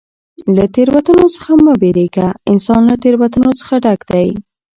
له تېروتنو څخه مه بېرېږه! انسان له تېروتنو څخه ډک دئ.